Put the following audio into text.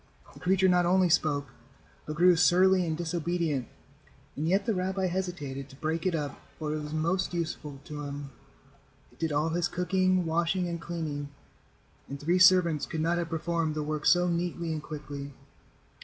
The creature not only spoke, but grew surly and disobedient, and yet the rabbi hesitated to break it up, for it was most useful to him. It did all his cooking, washing and cleaning, and three servants could not have performed the work so neatly and quickly.